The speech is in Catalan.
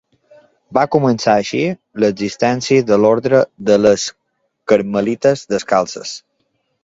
Va començar així, l'existència de l'orde de les Carmelites Descalces.